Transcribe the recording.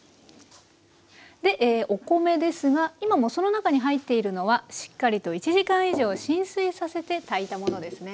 でお米ですが今もうその中に入っているのはしっかりと１時間以上浸水させて炊いたものですね。